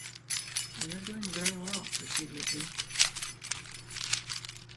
"We are doing very well," pursued Richard.